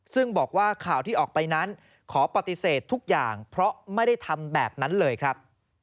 ซึ่งบอกว่าข่าวที่ออกไปนั้นขอปฏิเสธทุกอย่างเพราะไม่ได้ทำแบบนั้นเลยครับ